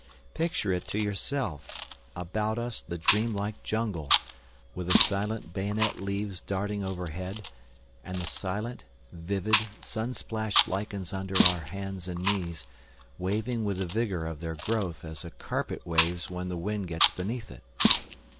Picture it to yourself! About us the dream like jungle, with the silent bayonet leaves darting overhead, and the silent, vivid, sun splashed lichens under our hands and knees, waving with the vigour of their growth as a carpet waves when the wind gets beneath it.